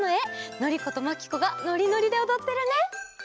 のりことまきこがノリノリでおどってるね！